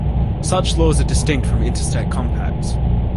Such laws are distinct from interstate compacts.